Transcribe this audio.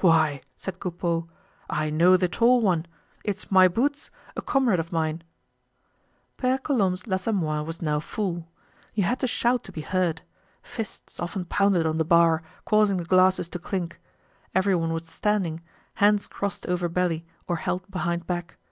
"Why!" said Coupeau, "I know the tall one, it's My Boots, a comrade of mine." Pere Colombe's l'Assommoir was now full. You had to shout to be heard. Fists often pounded on the bar, causing the glasses to clink. Everyone was standing, hands crossed over belly or held behind back.